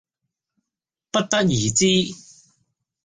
不得而知